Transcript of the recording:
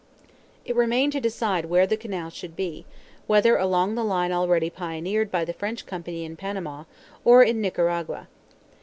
It remained to decide where the canal should be, whether along the line already pioneered by the French company in Panama, or in Nicaragua.